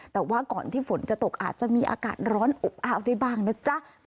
แต่ว่าก่อนที่ฝนจะตกอาจจะมีอากาศร้อนอบอ้าวได้บ้างนะจ๊ะ